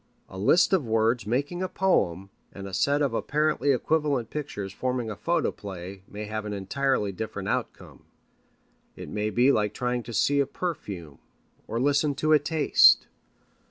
A list of words making a poem and a set of apparently equivalent pictures forming a photoplay may have an entirely different outcome. It may be like trying to see a perfume or listen to a taste.